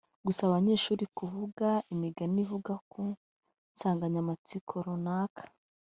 Gusaba abanyeshuri kuvuga imigani ivuga ku nsanganyamatsiko runaka